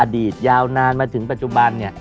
ยาวนานมาถึงปัจจุบันเนี่ย